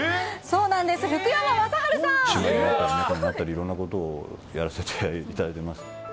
そうなんです、島になったり、猫になったり、いろんなことをやらせていただいてます。